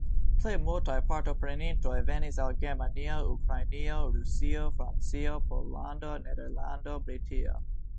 Plej multaj partoprenintoj venis el Germanio, Ukrainio, Rusio, Francio, Pollando, Nederlando, Britio.